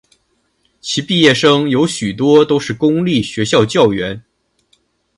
其毕业生有许多都是公立学校教员。